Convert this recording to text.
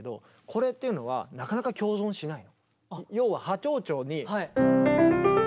これっていうのはなかなか共存しないの。